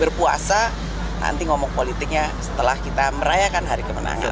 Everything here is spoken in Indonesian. berpuasa nanti ngomong politiknya setelah kita merayakan hari kemenangan